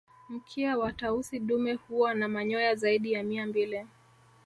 Mkia wa Tausi dume huwa na manyoa zaidi ya Mia mbili